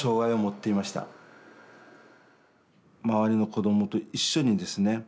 周りの子供と一緒にですね